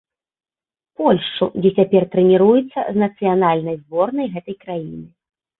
Польшчу, дзе цяпер трэніруецца з нацыянальнай зборнай гэтай краіны.